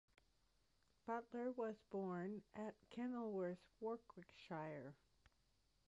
Butler was born at Kenilworth, Warwickshire.